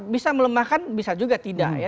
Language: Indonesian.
bisa melemahkan bisa juga tidak ya